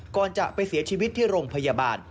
ก่อนจะไปเสียชีวิตที่โรงพยาบาล